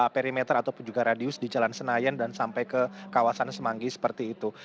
perimeter ataupun juga radius di jalan senayan dan sampai ke kawasan semanggi seperti itu